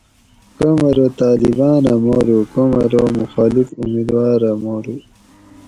کوم ارو طالبان اۤ مارُو کوم ارو مُخالِف اُمیدواۤر اۤ مارو